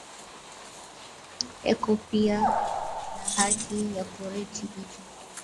Eko piya na haki ya ku riti vitu mama